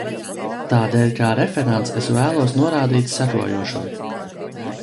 Tādēļ kā referents es vēlos norādīt sekojošo.